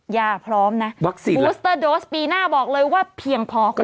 ยาพร้อมนะบูสเตอร์โดสปีหน้าบอกเลยว่าเพียงพอคุณอาทิตย์